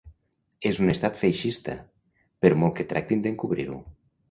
És un estat feixista, per molt que tractin d’encobrir-ho.